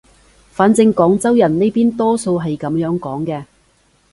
反正廣州人呢邊多數係噉樣講嘅